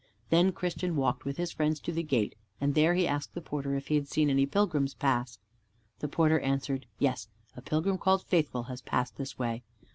Then Christian walked with his friends to the gate, and there he asked the porter if he had seen any pilgrims pass. The porter answered, "Yes, a pilgrim called Faithful has passed this way."